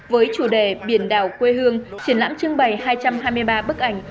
với chủ đề biển đảo quê hương triển lãm trưng bày hai trăm hai mươi ba bức ảnh